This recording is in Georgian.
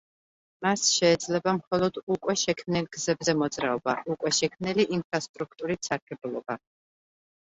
მას შეეძლება მხოლოდ უკვე შექმნილ გზებზე მოძრაობა, უკვე შექმნილი ინფრასტრუქტურით სარგებლობა.